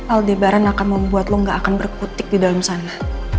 aldebaran akan membuatmu tidak berputik di dalam sana